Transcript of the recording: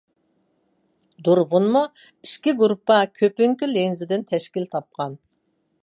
دۇربۇنمۇ ئىككى گۇرۇپپا كۆپۈنگۈ لېنزىدىن تەشكىل تاپقان.